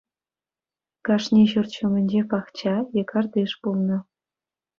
Кашни ҫурт ҫумӗнче пахча е картиш пулнӑ.